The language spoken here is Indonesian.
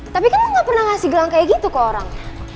tapi kamu gak pernah ngasih gelang kayak gitu ke orang